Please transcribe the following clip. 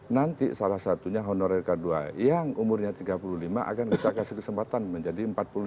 nanti salah satunya honorer k dua yang umurnya tiga puluh lima akan kita kasih kesempatan menjadi empat puluh lima